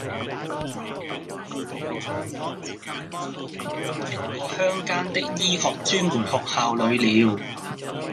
後來便使我的學籍列在日本一個鄉間的醫學專門學校裏了。